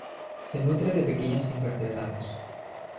Se nutre de pequeños invertebrados.